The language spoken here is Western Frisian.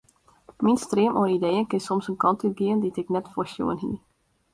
Myn stream oan ideeën kin soms in kant útgean dy't ik net foarsjoen hie.